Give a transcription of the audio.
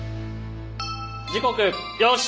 時刻よし！